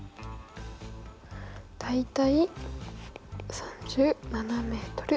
大体３７ｍ。